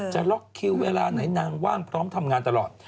จะล็อกคิวเวลาไหนนางว่างพร้อมทำงานตลอด